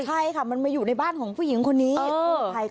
ใช่ค่ะมันมาอยู่ในบ้านของผู้หญิงคนนี้